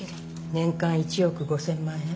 年間１億５，０００万円。